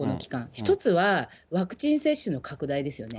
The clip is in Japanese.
１つはワクチン接種の拡大ですよね。